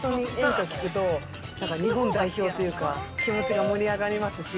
◆海外行くとほんとに演歌を聴くと日本代表というか気持ちが盛り上がりますし。